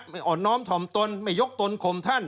อ่อนน้อมถ่อมตนไม่ยกตนข่มท่าน